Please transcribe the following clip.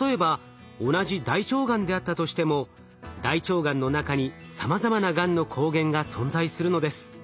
例えば同じ大腸がんであったとしても大腸がんの中にさまざまながんの抗原が存在するのです。